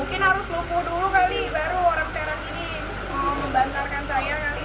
mungkin harus lumpuh dulu kali baru orang serat ini membantarkan saya kali